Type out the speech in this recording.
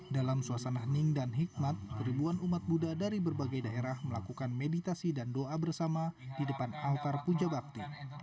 dalam suasana ning dan hikmat ribuan umat buddha dari berbagai daerah melakukan meditasi dan doa bersama di depan altar puja bakti